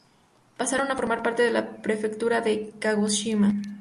Pasaron a formar parte de la prefectura de Kagoshima.